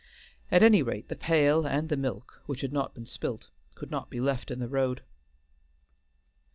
At any rate the pail and the milk, which had not been spilt, could not be left in the road.